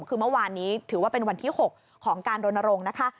คือเมื่อวานนี้ถือว่าเป็นวันที่๖ของการรณรงค์นะคะ